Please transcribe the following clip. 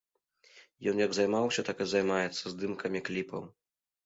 Ён як займаўся, так і займаецца здымкамі кліпаў.